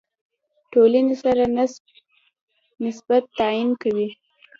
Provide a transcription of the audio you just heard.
ټولنې سره نسبت تعیین کوي.